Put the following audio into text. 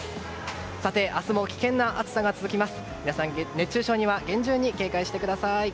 明日も危険な暑さが続きます。